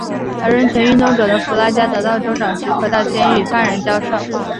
而人权运动者的弗拉加得到州长许可到监狱与犯人交涉。